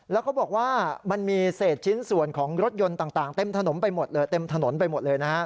แล้วก็บอกว่ามันมีเศษชิ้นส่วนของรถยนต์ต่างเต็มถนนไปหมดเลย